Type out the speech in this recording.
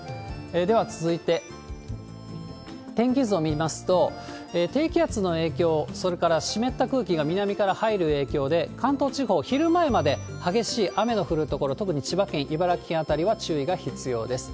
では続いて、天気図を見ますと、低気圧の影響、それから湿った空気が南から入る影響で、関東地方、昼前まで激しい雨の降る所、特に千葉県、茨城県辺りは注意が必要です。